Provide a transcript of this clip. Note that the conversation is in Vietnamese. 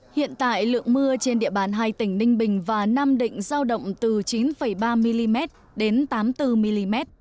hiện tại lượng mưa trên địa bàn hai tỉnh ninh bình và nam định giao động từ chín ba mm đến tám mươi bốn mm